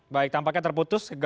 baik tampaknya terputus